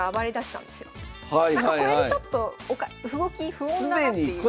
これでちょっと動き不穏だなっていう。